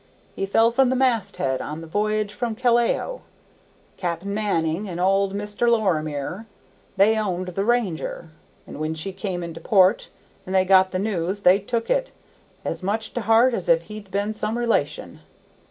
He fell from the mast head on the voyage home from Callao. Cap'n Manning and old Mr. Lorimer, they owned the Ranger, and when she come into port and they got the news they took it as much to heart as if he'd been some relation.